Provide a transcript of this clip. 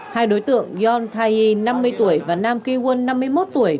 hai đối tượng yon thayi năm mươi tuổi và nam ki won năm mươi một tuổi